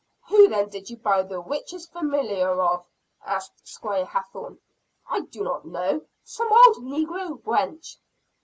"Who then did you buy the witch's familiar of?" asked Squire Hathorne. "I do not know some old negro wench!"